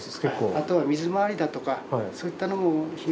あとは水まわりだとかそういったものも。